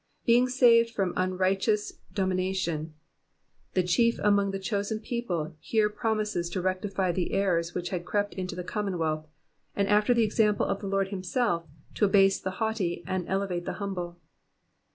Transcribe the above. Being saved from imrighteous domination, the chief among the chosen people here promises to rectify the errors which had crept into the common wealth, and after the example of the Lord himself, to abase the haughty and elevAte the humble.